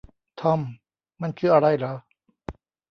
ทอม มันคืออะไรหรอ